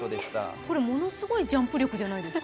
これものすごいジャンプ力じゃないですか。